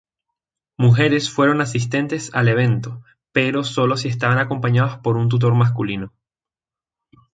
Mujeres fueron asistentes al evento, pero solo si estaban acompañadas por un tutor masculino.